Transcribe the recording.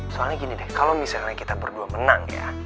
soalnya gini deh kalau misalnya kita berdua menang ya